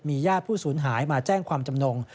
ญาติผู้สูญหายมาแจ้งความจำนง